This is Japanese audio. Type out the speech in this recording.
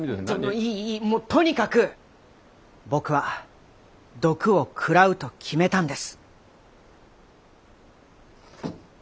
いいいいもうとにかく僕は毒を食らうと決めたんです。